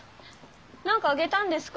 なんかあげたんですか？